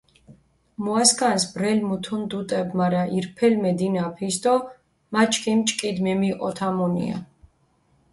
მუასქანს ბრელი მუთუნ დუტებ, მარა ირფელი მედინაფჷ ის დო მა ჩქიმი ჭკიდი მემიჸოთამუნია.